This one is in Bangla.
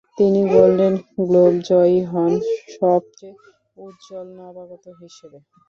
তিনি গোল্ডেন গ্লোব জয়ী হন সবচেয়ে উজ্জ্বল নবাগত হিসেবে।